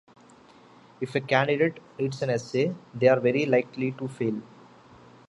If a candidate reads an essay, they are very likely to fail.